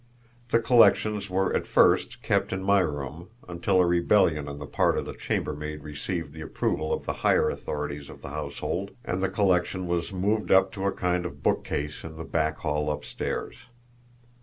The collections were at first kept in my room, until a rebellion on the part of the chambermaid received the approval of the higher authorities of the household and the collection was moved up to a kind of bookcase in the back hall upstairs.